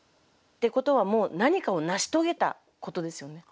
ってことは何かを成し遂げたことですよね。